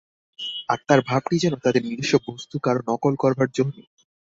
আর তার ভাবটি যেন তাদের নিজস্ব বস্তু, কারও নকল করবার যো নেই।